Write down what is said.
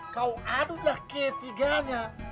kau aduklah ketiganya